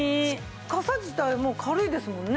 傘自体がもう軽いですもんね。